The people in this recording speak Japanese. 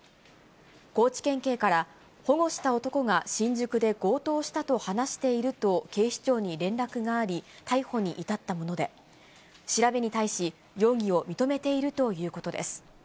高知県警から、保護した男が新宿で強盗したと話していると、警視庁に連絡があり、逮捕に至ったもので、調べに対し、容疑を認めているということです。